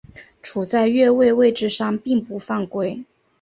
处在越位位置上并不犯规。